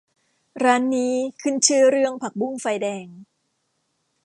ร้านนี้ขึ้นชื่อเรื่องผักบุ้งไฟแดง